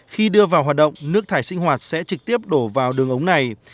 khi đưa vào hoạt động nước thải sinh hoạt sẽ trực tiếp đổ vào đường ống này